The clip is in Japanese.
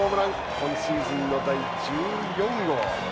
今シーズンの第１４号。